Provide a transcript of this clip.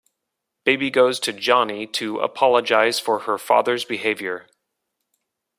Baby goes to Johnny to apologize for her father's behavior.